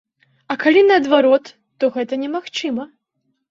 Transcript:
А калі наадварот, то гэта немагчыма.